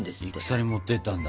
戦に持っていったんだ。